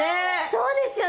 そうですよね！